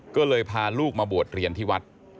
ก็เลยพาลูกมาบวชเรียนที่วัด